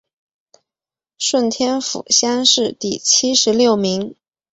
顺天府乡试第七十六名。